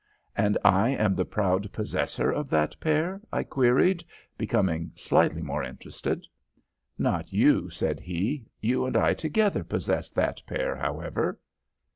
"'And I am the proud possessor of that pair?' I queried, becoming slightly more interested. "'Not you,' said he. 'You and I together possess that pair, however.'